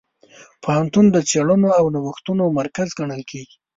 پوهنتون د څېړنو او نوښتونو مرکز ګڼل کېږي.